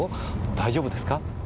大丈夫ですか？